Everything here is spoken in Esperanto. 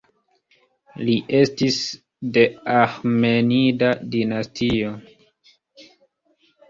Li estis de Aĥemenida dinastio.